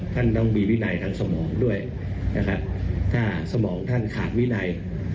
ท่านต้องมีวินัยทางสมองด้วยนะครับถ้าสมองท่านขาดวินัย